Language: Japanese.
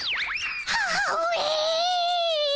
母上。